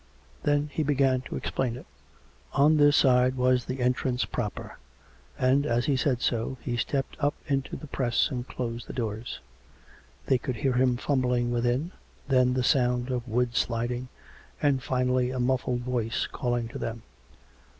Then he began to explain it. On this side was the entrance proper, and, as he said so, he stepped up into the press and closed the doors. They could hear him fumbling within, then the sound of wood sliding, and finally a muffled voice calling to them.